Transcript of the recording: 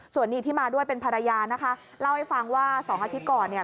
ส่วนนี้ที่มาด้วยเป็นภรรยานะคะเล่าให้ฟังว่า๒อาทิตย์ก่อนเนี่ย